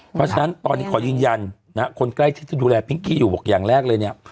เพราะฉะนั้นตอนนี้ขอยืนยันนะฮะคนใกล้ชิดที่ดูแลพิงกี้อยู่บอกอย่างแรกเลยเนี่ย